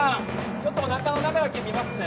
ちょっとおなかの中だけ見ますね